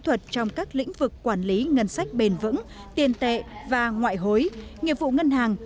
kỹ thuật trong các lĩnh vực quản lý ngân sách bền vững tiền tệ và ngoại hối nghiệp vụ ngân hàng